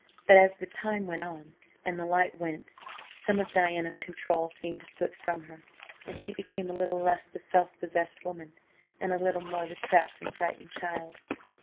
But as the time went on and the light went, some of Diana's control seemed to slip from her, and she became a little less the self possessed woman, and a little more the trapped and frightened child.